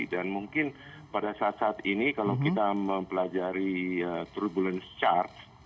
dan mungkin pada saat saat ini kalau kita mempelajari turbulence chart